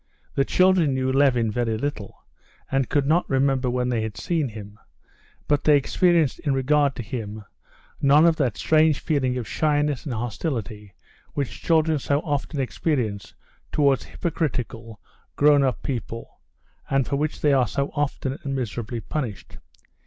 The children knew Levin very little, and could not remember when they had seen him, but they experienced in regard to him none of that strange feeling of shyness and hostility which children so often experience towards hypocritical, grown up people, and for which they are so often and miserably punished.